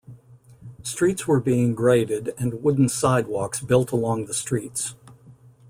Streets were being graded and wooden sidewalks built along the streets.